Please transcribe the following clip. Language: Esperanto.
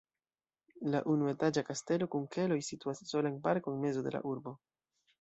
La unuetaĝa kastelo kun keloj situas sola en parko en mezo de la urbo.